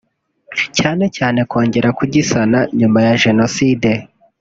cyane cyane kongera kugisana nyuma ya jenoside